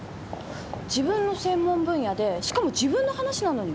自分の専門分野でしかも自分の話なのに妙に弱気。